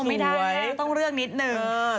ไม่ได้ต้องเลือกนิดนึง